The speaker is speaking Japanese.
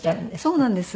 そうなんです。